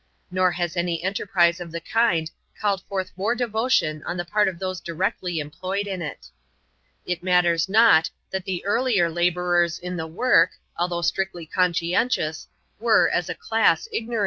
Nor has any enterprise of the kind called forth more devotion on the part of those directly employed in it. It matters not, that the earlier labourexa m\Vi'^^NwV^^s^5^wisgs^. stnetljr conscientious, were, as a class, ignoxaiaX.